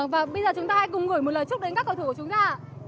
và bây giờ chúng ta hãy cùng gửi một lời chúc đến các cầu thủ của chúng ta